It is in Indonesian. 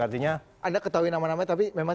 artinya anda ketahui nama nama tapi memang